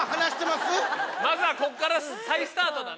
まずはここから再スタートだな。